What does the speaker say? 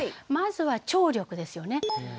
まずは聴力ですよね。